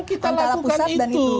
memang kita lakukan itu